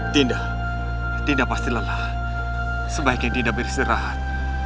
dinda dinda pasti lelah sebaiknya dinda beristirahat